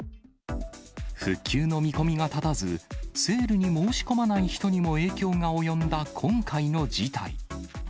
復旧の見込みが立たず、セールに申し込まない人にも及んだ今回の事態。